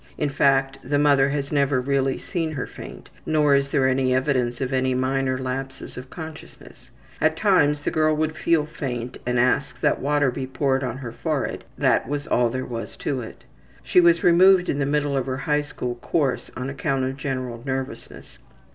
In fact, the mother has never really seen her faint, nor is there any evidence of any minor lapses of consciousness. At times the girl would feel faint and ask that water be poured on her forehead that was all there was to it. She was removed in the middle of her high school course on account of general nervousness.